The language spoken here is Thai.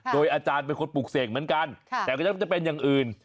โดยอาจารย์เป็นคนปลูกเสกเหมือนกันแต่ก็จะเป็นอย่างอื่น